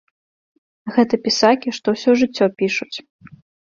Гэта пісакі, што ўсё жыццё пішуць!